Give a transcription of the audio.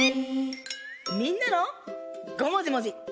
みんなのごもじもじ！